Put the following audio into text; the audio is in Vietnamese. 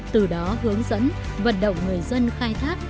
từ đó hướng dẫn vận động người dân khai thác